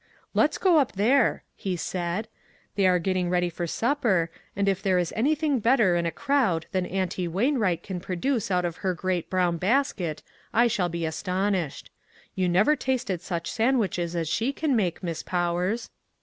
"Let's go up there," he said, "they are getting ready for supper, and if there is anything better in a crowd than Auntie Wainwright can produce out of her great brown basket, I shall be astonished. You THINGS HARD TO EXPLAIN. 69 never tasted such sandwiches as she can make, Miss Powers."